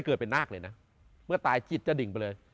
เกิดเป็นนาคเลยนะเมื่อตายจิตจะดิ่งไปเลย